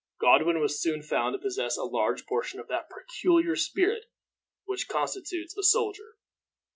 Godwin was soon found to possess a large portion of that peculiar spirit which constitutes a soldier.